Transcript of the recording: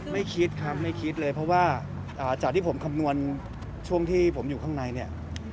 ไม่คิดครับไม่คิดเลยเพราะว่าจากที่ผมคำนวณช่วงที่ผมอยู่ข้างในเนี่ย